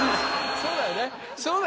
そうだよね。